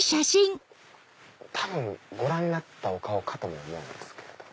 多分ご覧になったお顔かとも思うんですけれども。